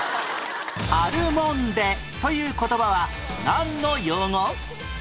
アルモンデという言葉はなんの用語？